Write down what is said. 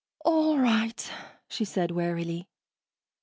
"All right," she said wearily.